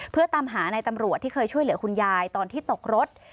เพื่อตามหาในตำรวจที่เคยช่วยเหลือคุณยายตอนที่ตกรถ